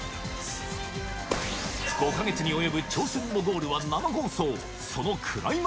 ５か月に及ぶ挑戦のゴールは生放送。